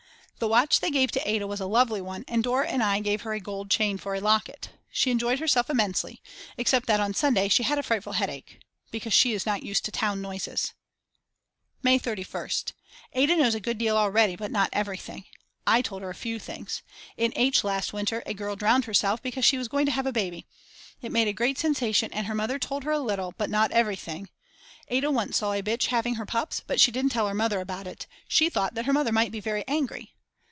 The watch they gave to Ada was a lovely one and Dora and I gave her a gold chain for a locket. She enjoyed herself immensely, except that on Sunday she had a frightful headache. Because she is not used to town noises. May 31st. Ada knows a good deal already, but not everything. I told her a few things. In H. last winter a girl drowned herself because she was going to have a baby. It made a great sensation and her mother told her a little, but not everything. Ada once saw a bitch having her pups, but she didn't tell her mother about it; she thought that her mother might be very angry.